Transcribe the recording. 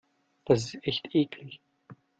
Das ist echt eklig.